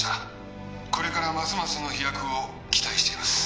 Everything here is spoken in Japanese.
「これからますますの飛躍を期待しています」